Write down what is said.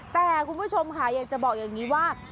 แต่คุณผู้ชมค่ะอยากจะบอกอย่างนี้ว่า